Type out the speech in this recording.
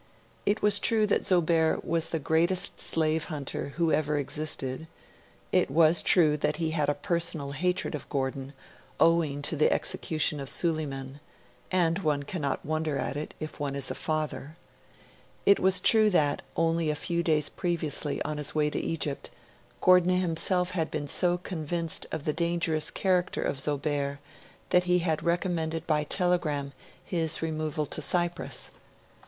It was true that Zobeir was 'the greatest slave hunter who ever existed'; it was true that he had a personal hatred of Gordon, owing to the execution of Suleiman 'and one cannot wonder at it, if one is a father'; it was true that, only a few days previously, on his way to Egypt, Gordon himself had been so convinced of the dangerous character of Zobeir that he had recommended by telegram his removal to Cyprus.